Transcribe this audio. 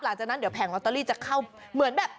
หลังจากนั้นเดี๋ยวแผงลอตเตอรี่จะเข้าเหมือนแบบ